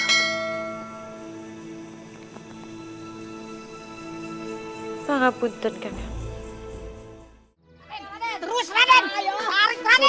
tangan putuskan kang